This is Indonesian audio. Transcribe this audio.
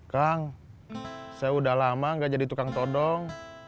kang saya udah lama gak jadi tukang todong